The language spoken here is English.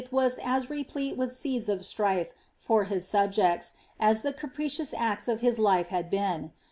was as replete with seeds of alrife for hi^ , fubjerif, as the capricious acts of his life had been.